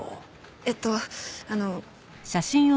えっとあの。